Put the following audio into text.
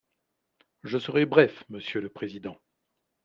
Je serai bref, monsieur le président.